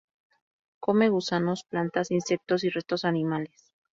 Come gusanos, plantas, insectos y restos animales.